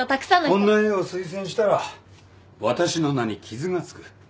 こんな絵を推薦したら私の名に傷が付く